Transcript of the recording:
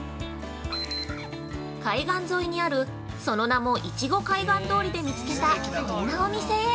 海岸沿いにある、その名も「いちご海岸通り」で見つけたこんなお店へ。